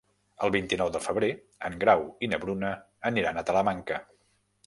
El vint-i-nou de febrer en Grau i na Bruna aniran a Talamanca.